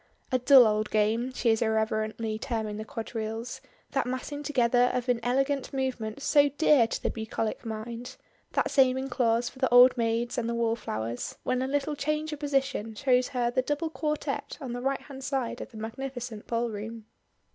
"A dull old game," she is irreverently terming the quadrilles that massing together of inelegant movements so dear to the bucolic mind that saving clause for the old maids and the wall flowers; when a little change of position shows her the double quartette on the right hand side of the magnificent ballroom.